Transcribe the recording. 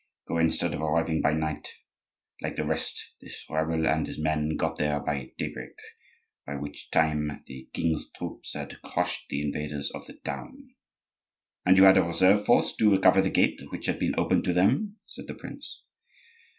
So instead of arriving by night, like the rest, this rebel and his men got there at daybreak, by which time the king's troops had crushed the invaders of the town." "And you had a reserve force to recover the gate which had been opened to them?" said the prince.